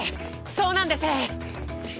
そうなんです！